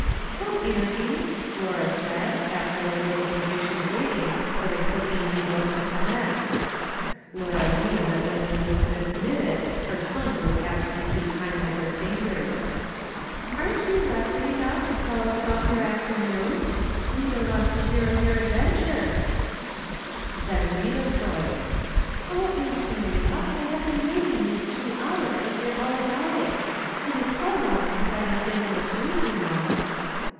" Come, auntie," Laura said after a little impatient waiting for the clicking needles to commence. (Laura knew that when Mrs. Smith knitted, her tongue was apt to keep time with her fingers.) " Aren't you rested enough to tell us about your afternoon ? Lida wants to hear of your adventures." Then Lida's voice :*' Oh, aunt Maria, I've been waiting these two hours to hear all about it. It is so long since I have been on the street, you know."